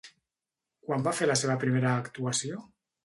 Quan va fer la seva primera actuació?